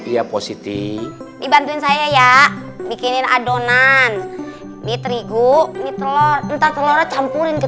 ya positi dibantuin saya ya bikinin adonan di terigu telur campurin ke